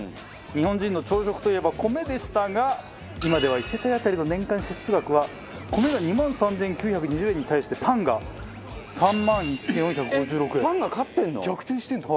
日本人の朝食といえば米でしたが今では１世帯当たりの年間支出額は米が２万３９２０円に対してパンが３万１４５６円。逆転してるんだ。